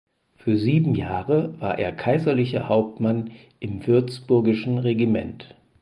Für sieben Jahre war er kaiserlicher Hauptmann im würzburgischen Regiment.